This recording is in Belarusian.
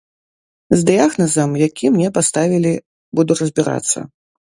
З дыягназам, які мне паставілі, буду разбірацца.